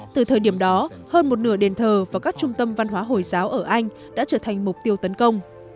từ thời điểm đó hơn một nửa đền thờ và các trung tâm văn hóa hồi giáo ở anh đã trở thành mục tiêu tấn công